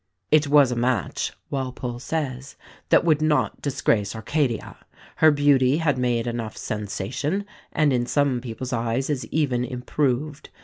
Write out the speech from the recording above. "It was a match," Walpole says, "that would not disgrace Arcadia. Her beauty had made enough sensation, and in some people's eyes is even improved.